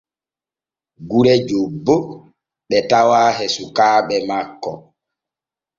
Gure jobbo ɓe tawa e sukaaɓe makko.